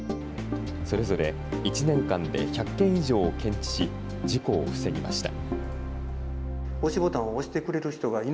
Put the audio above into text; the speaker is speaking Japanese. それぞれ１年間で１００件以上を検知し、事故を防ぎました。